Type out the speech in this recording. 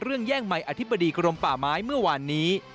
เรื่องแย่งไม้อธิบดีกรมป่าไม้เมื่อวานนี้